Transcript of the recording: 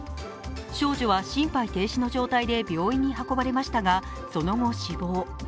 少女は心肺停止の状態で病院に運ばれましたがその後、死亡。